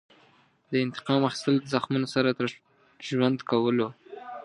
د انتقام اخیستل د زخمونو سره تر ژوند کولو.